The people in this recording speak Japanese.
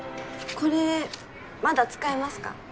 これまだ使えますか？